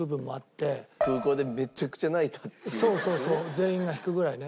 全員が引くぐらいね。